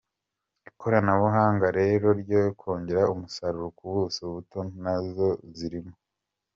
Ikoranabuhanga rero ryo kongera umusaruro ku buso buto nazo zirimo.